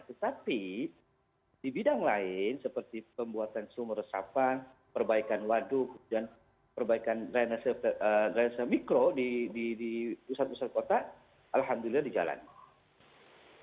tetapi di bidang lain seperti pembuatan sumur resapan perbaikan waduk dan perbaikan drainase mikro di pusat pusat kota alhamdulillah dijalankan